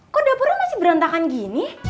kok dapurnya masih berantakan gini